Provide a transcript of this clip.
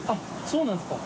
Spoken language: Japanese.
△そうなんですか。